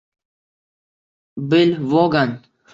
Bill Vogan